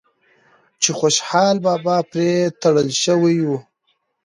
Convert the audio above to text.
چې خوشحال بابا پرې تړل شوی و